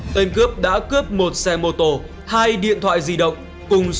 tên cướp đã cướp một xe mô tổ hai điện thoại di động